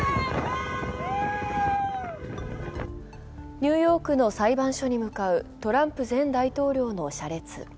ニューヨークの裁判所に向かうトランプ前大統領の社列。